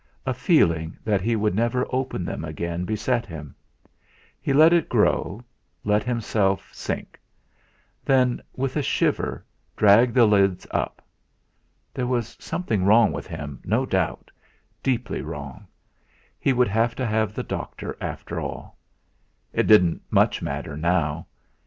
A feeling that he would never open them again beset him; he let it grow, let himself sink; then, with a shiver, dragged the lids up. There was something wrong with him, no doubt, deeply wrong; he would have to have the doctor after all. It didn't much matter now!